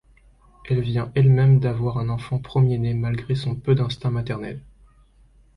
Elle vient elle-même d'avoir un enfant premier-né malgré son peu d'instinct maternel.